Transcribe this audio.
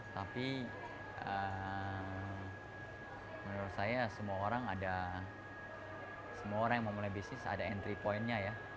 tapi menurut saya semua orang ada semua orang yang mau mulai bisnis ada entry pointnya ya